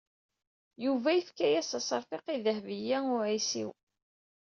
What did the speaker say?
Yuba yefka-yas aseṛfiq i Dehbiya u Ɛisiw.